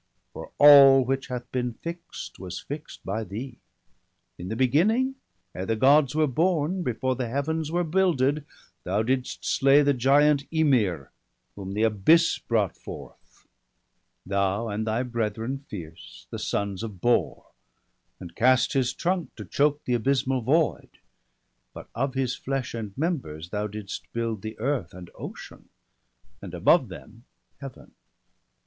For all which hath been fixt, was fixt by thee. In the beginning, ere the Gods were born, Before the Heavens were builded, thou didst slay The giant Ymir, whom the abyss brought forth. Thou and thy brethren fierce, the sons of Bor, And cast his trunk to choke the abysmal void. But of his flesh and members thou didst build The earth and Ocean, and above them Heaven.